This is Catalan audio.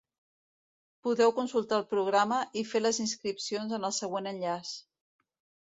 Podeu consultar el programa i fer les inscripcions en el següent enllaç.